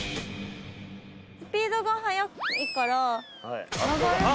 スピードが速いから曲がると。